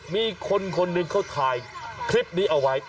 มีคนคนหนึ่งเขาถ่ายคลิปนี้เอาไว้